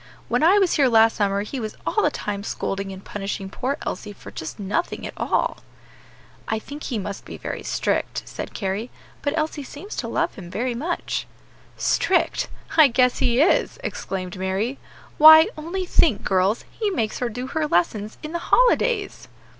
When I was here last summer he was all the time scolding and punishing poor Elsie for just nothing at all." "I think he must be very strict," said Carry; "but Elsie seems to love him very much." "Strict! I guess he is!" exclaimed Mary; "why, only think, girls, he makes her do her lessons in the holidays!"